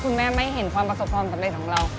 แม่ไม่เห็นความประสบความสำเร็จของเรา